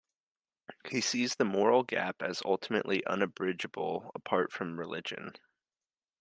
He sees this "moral gap" as ultimately unbridgable apart from religion.